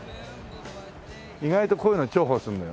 意外とこういうの重宝するのよ。